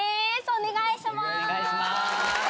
お願いします！